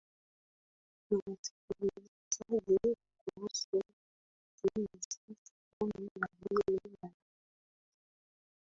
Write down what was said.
m mshikilizaji kuhusu wakti ni saa kumi na mbili na dakika